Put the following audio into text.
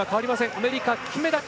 アメリカ、金メダル！